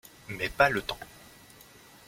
Mais pas le temps.